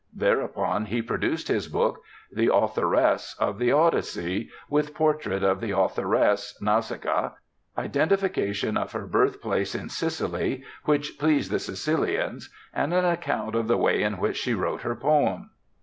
Thereupon he produced his book, "The Authoress of the Odyssey," with portrait of the authoress, Nausicaa, identification of her birthplace in Sicily, which pleased the Sicilians, and an account of the way in which she wrote her poem.